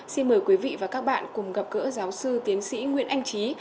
xin mời quý vị và các bạn cùng gặp gỡ giáo sư tiến sĩ nguyễn anh trí